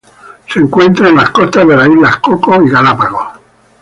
Se encuentran en las costas de las islas Cocos y Galápagos.